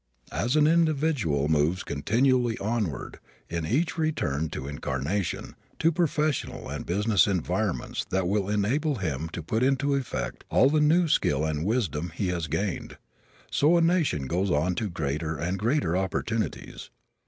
As an individual moves continually onward in each return to incarnation to professional and business environments that will enable him to put into effect all the new skill and wisdom he has gained, so a nation goes on to greater and greater opportunities.